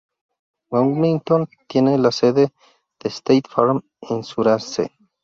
Bloomington tiene la sede de State Farm Insurance.